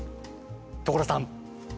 所さん！